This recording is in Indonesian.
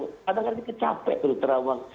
kadang kadang kita capek terus terawang